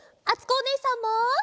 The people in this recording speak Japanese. あつこおねえさんも。